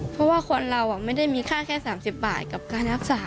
เพราะว่าคนเราไม่ได้มีค่าแค่๓๐บาทกับการรักษา